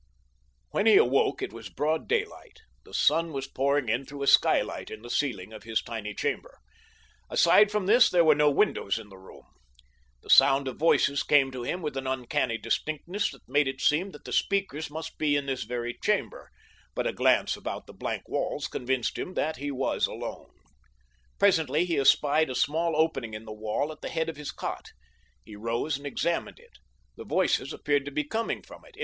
When he awoke it was broad daylight. The sun was pouring in through a skylight in the ceiling of his tiny chamber. Aside from this there were no windows in the room. The sound of voices came to him with an uncanny distinctness that made it seem that the speakers must be in this very chamber, but a glance about the blank walls convinced him that he was alone. Presently he espied a small opening in the wall at the head of his cot. He rose and examined it. The voices appeared to be coming from it.